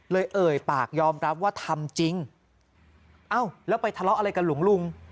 เอ่ยปากยอมรับว่าทำจริงเอ้าแล้วไปทะเลาะอะไรกับหลวงลุง